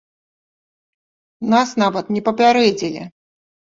Нас нават не папярэдзілі!